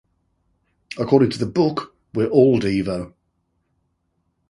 According to the book We're All Devo!